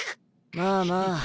まあまあ。